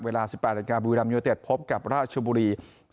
เวลา๑๘๐๐นบริษัทพบกับราชบุรี